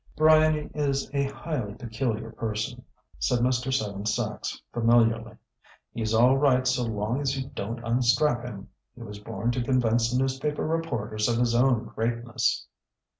"Bryany is a highly peculiar person," said Mr. Seven Sachs familiarly. "He's all right so long as you don't unstrap him. He was born to convince newspaper reporters of his own greatness."